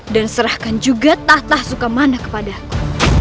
dan serahkan juga tata sukamana kepada aku